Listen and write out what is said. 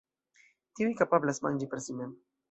Tiuj kapablas manĝi per si mem.